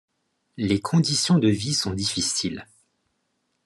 Les conditions de vie sont difficiles.